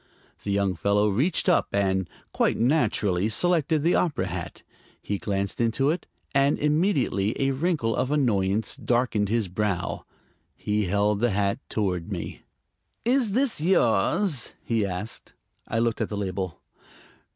The young fellow reached up and, quite naturally, selected the opera hat. He glanced into it, and immediately a wrinkle of annoyance darkened his brow. He held the hat toward me. "Is this yours?" he asked. I looked at the label.